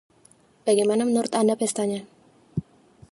Bagaimana menurut Anda pestanya?